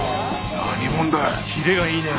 何者だよ？